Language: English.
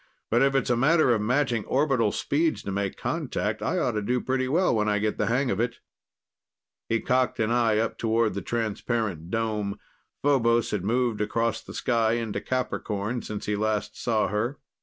"But if it's a matter of matching orbital speeds to make contact, I ought to do pretty well when I get the hang of it." He cocked an eye up toward the transparent dome. Phobos had moved across the sky into Capricorn since he last saw her.